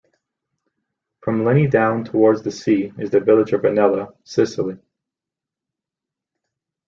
From Leni down towards the sea is the village of Rinella, Sicily.